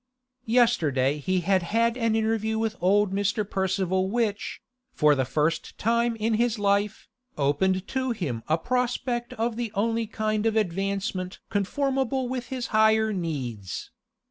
Yesterday he had had an interview with old Mr. Percival which, for the first time in his life, opened to him a prospect of the only kind of advancement conformable with his higher needs.